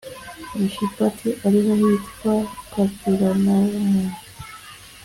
mishipati ari ho hitwa kaperenawumu